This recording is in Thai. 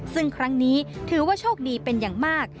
ซึ่งครั้งนี้ถือว่าโชคดีเป็นอย่างมาก